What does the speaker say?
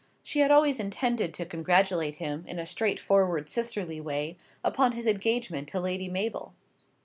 She had always intended to congratulate him, in a straightforward sisterly way, upon his engagement to Lady Mabel.